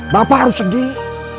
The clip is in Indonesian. bapak harus sedih